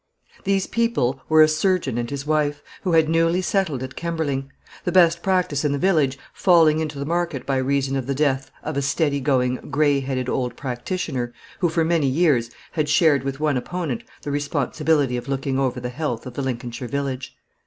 These people were a surgeon and his wife, who had newly settled at Kemberling; the best practice in the village falling into the market by reason of the death of a steady going, gray headed old practitioner, who for many years had shared with one opponent the responsibility of watching over the health of the Lincolnshire village.